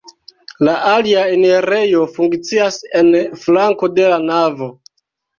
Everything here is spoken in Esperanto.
La alia enirejo funkcias en flanko de la navo.